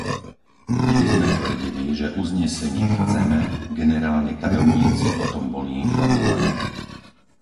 Vždy sme tvrdili, že uznesenie chceme, generálni tajomníci o tom boli informovaní.